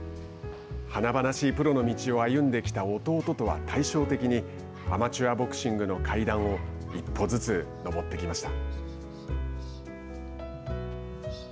華々しいプロの道を歩んできた弟とは対照的にアマチュアボクシングの階段を一歩ずつ上ってきました。